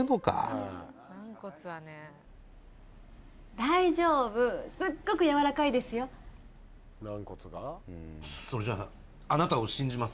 大丈夫すっごくやわらかいですよそれじゃああなたを信じます